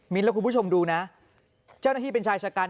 มินทร์นะคะคุณผู้ชมดูนะเจ้าหน้าที่เป็นชายสกัน